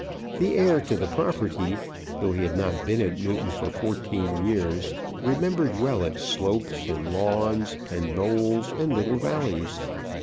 The heir to the property, though he had not been at Newton for fourteen years, remembered well its slopes, and lawns, and knolls, and little valleys.